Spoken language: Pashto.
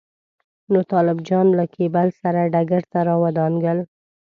نو طالب جان له کېبل سره ډګر ته راودانګل.